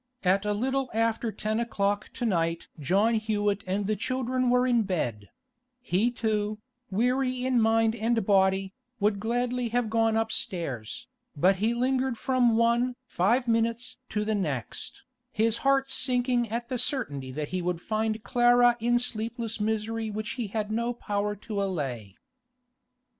At a little after ten o'clock to night John Hewett and the children were in bed; he too, weary in mind and body, would gladly have gone upstairs, but he lingered from one five minutes to the next, his heart sinking at the certainty that he would find Clara in sleepless misery which he had no power to allay.